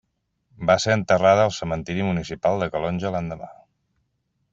Va ser enterrada al cementiri municipal de Calonge l'endemà.